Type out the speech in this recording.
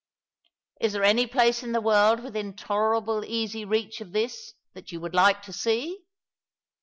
"Is there any place in the world within tolerable easy reach of this that you would like to see